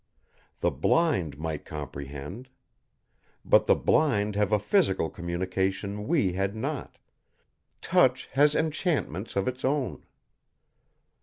The blind might comprehend. But the blind have a physical communication we had not; touch has enchantments of its own.